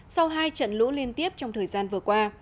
sau hai trận lũ liên tiếp trong thời gian vừa qua